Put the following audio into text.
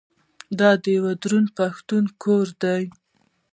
دا د یوه دروند پښتون کور دی.